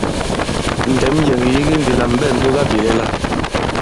Ndɛ̌m yɛ̀ŋ ì yege ndī lā mɛ̀ ɓɛ ǹdugabìlɛla.